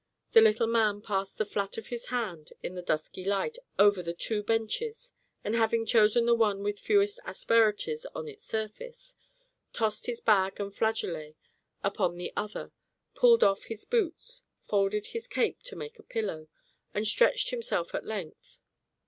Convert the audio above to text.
The little man passed the flat of his hand, in the dusky light, over the two benches, and having chosen the one with fewest asperities on its surface, tossed his bag and flageolet upon the other, pulled off his boots, folded his cape to make a pillow, and stretched himself at length.